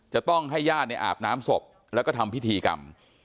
จะต้องให้ญาติในอาบน้ำศพแล้วก็ทำพิธีกรรม